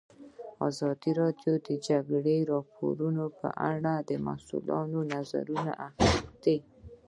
ازادي راډیو د د جګړې راپورونه په اړه د مسؤلینو نظرونه اخیستي.